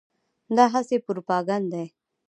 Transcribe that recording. دا هسې پروپاګند دی.